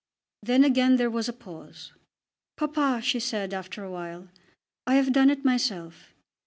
Then again there was a pause. "Papa," she said after a while, "I have done it myself.